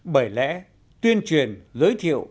bởi lẽ tuyên truyền giới thiệu